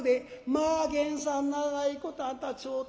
「まあ源さん長いことあんたちょっと」。